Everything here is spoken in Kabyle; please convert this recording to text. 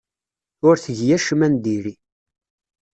Ur tgi acemma n diri.